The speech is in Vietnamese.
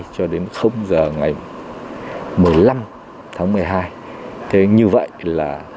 thế như vậy là